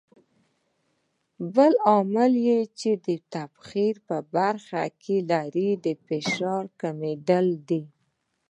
بل عامل چې په تبخیر کې برخه لري د فشار کمېدل دي.